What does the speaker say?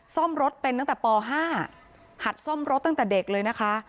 ซ่อมรถเป็นตั้งแต่ป๕หัดซ่อมรถตั้งแต่เด็กเลยนะคะ